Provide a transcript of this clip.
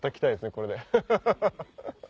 これで。